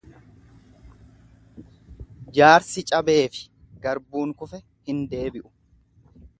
Jaarsi cabeefi garbuun kufe hin deebi'u.